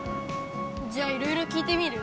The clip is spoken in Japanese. じゃあいろいろきいてみる？